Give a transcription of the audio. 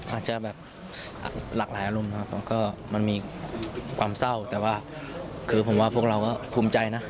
อาจจะแบบหลากหลายอารมณ์ครับผมก็มันมีความเศร้าแต่ว่าคือผมว่าพวกเราก็ภูมิใจนะ